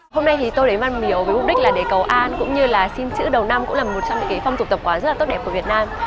hôm nay thì tôi lấy văn miếu với mục đích là để cầu an cũng như là xin chữ đầu năm cũng là một trong những phong tục tập quán rất là tốt đẹp của việt nam